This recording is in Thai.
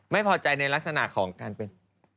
ไม่พอใจในลักษณะของการเป็น